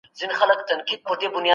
ژبه زړه او فعاله ده.